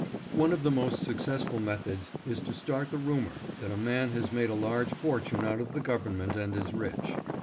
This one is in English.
One of the most suc cessful methods is to start the rumor that a man has made a large fortune out of the Government and is rich.